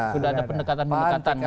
sudah ada pendekatan pendekatan